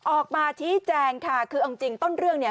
ออกมาชี้แจงค่ะคือเอาจริงต้นเรื่องเนี่ย